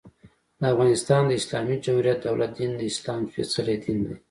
د افغانستان د اسلامي جمهوري دولت دين، د اسلام سپيڅلی دين دى.